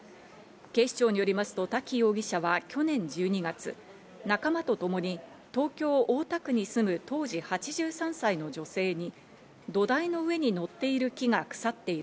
警視庁によりますと滝容疑者は去年１２月、仲間とともに東京・大田区に住む当時８３歳の女性に土台の上に乗っている木が腐っている。